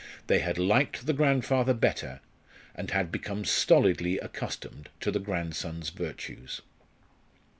They had liked the grandfather better, and had become stolidly accustomed to the grandson's virtues.